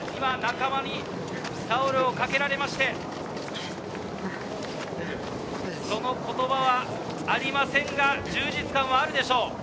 仲間にタオルをかけられて、その言葉はありませんが、充実感はあるでしょう。